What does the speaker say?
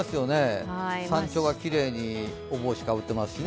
山頂がきれいにお帽子かぶってますしね。